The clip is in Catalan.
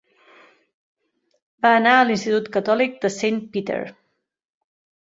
Va anar a l'institut catòlic de Saint Peter.